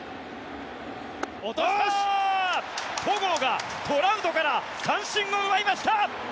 戸郷がトラウトから三振を奪いました。